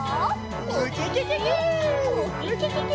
ウキキキ！